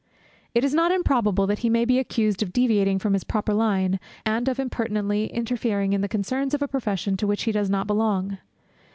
It is not improbable that he may be accused of deviating from his proper line, and of impertinently interfering in the concerns of a Profession to which he does not belong.